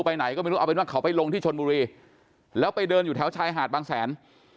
ไปไหนก็ไม่รู้เอาเป็นว่าเขาไปลงที่ชนบุรีแล้วไปเดินอยู่แถวชายหาดบางแสน